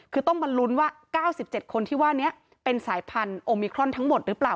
คือต้องมาลุ้นว่า๙๗คนที่ว่านี้เป็นสายพันธุ์โอมิครอนทั้งหมดหรือเปล่า